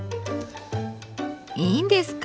いいんですか？